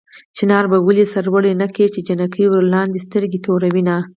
چنار به ولې سر لوړ نه کا چې جنکۍ ورلاندې سترګې توروينه